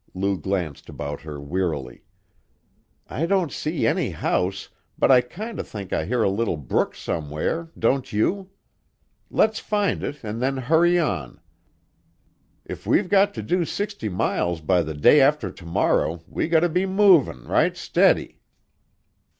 Lou glanced about her wearily. "I don't see any house, but I kinder think I hear a little brook somewhere, don't you? Let's find it, an' then hurry on; if we've got to do sixty miles by the day after to morrow we got to be movin' right steady."